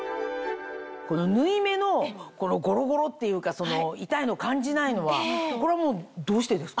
この縫い目のゴロゴロっていうか痛いの感じないのはこれはどうしてですか？